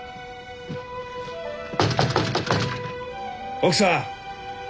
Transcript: ・奥さん！